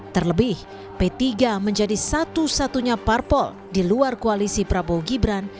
terlebih p tiga menjadi satu satunya parpol di luar koalisi prabowo gibran